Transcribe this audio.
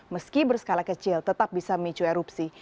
meski berskala kecil tetap bisa memicu erupsi